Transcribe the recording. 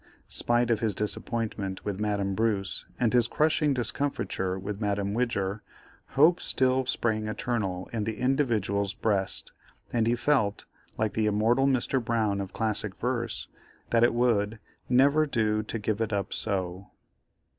Spite of his disappointment with Madame Bruce, and his crushing discomfiture with Madame Widger, Hope still sprang eternal in the "Individual's" breast, and he felt, like the immortal Mr. Brown of classic verse, that it would "never do to give it up so."